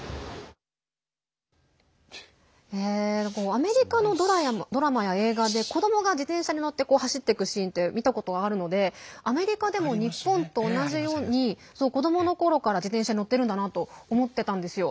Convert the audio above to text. アメリカのドラマや映画で子どもが自転車に乗って走っていくシーンって見たことがあるのでアメリカでも日本と同じように子どものころから自転車に乗ってるんだなと思ってたんですよ。